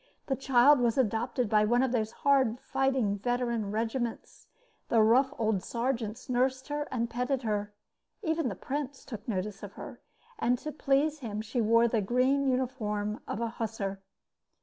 The child was adopted by one of those hard fighting, veteran regiments. The rough old sergeants nursed her and petted her. Even the prince took notice of her; and to please him she wore the green uniform of a hussar.